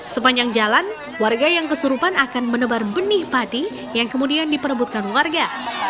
sepanjang jalan warga yang kesurupan akan menebar benih padi yang kemudian diperebutkan warga